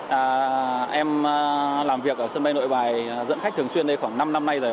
và em làm việc ở sân bay nội bài dẫn khách thường xuyên đây khoảng năm năm nay rồi